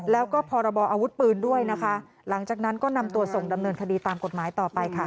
แล้วก็พรบออาวุธปืนด้วยนะคะหลังจากนั้นก็นำตัวส่งดำเนินคดีตามกฎหมายต่อไปค่ะ